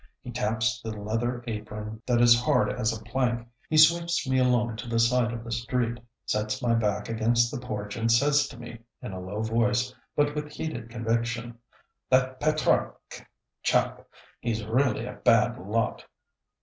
He taps the leather apron that is hard as a plank. He sweeps me along to the side of the street, sets my back against the porch and says to me, in a low voice, but with heated conviction, "That Pétrarque chap, he's really a bad lot."